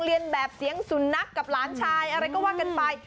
เรียนแบบเสียงสุนัขกับหลานชายอะไรก็ว่ากันไป